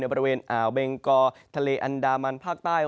บริเวณอ่าวเบงกอทะเลอันดามันภาคใต้